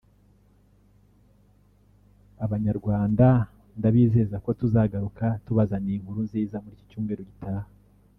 Abanyarwanda ndabizeza ko tuzagaruka tubazaniye inkuru nziza muri iki cyumweru gitaha